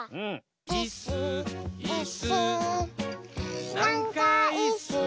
「いっすーいっすーなんかいっすー」